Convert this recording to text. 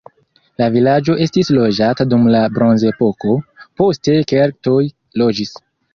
La vilaĝo estis loĝata dum la bronzepoko, poste keltoj loĝis.